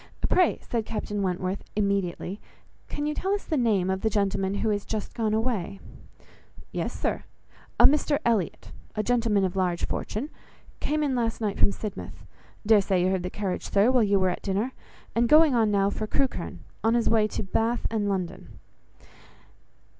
"Pray," said Captain Wentworth, immediately, "can you tell us the name of the gentleman who is just gone away?" "Yes, Sir, a Mr Elliot, a gentleman of large fortune, came in last night from Sidmouth. Dare say you heard the carriage, sir, while you were at dinner; and going on now for Crewkherne, in his way to Bath and London."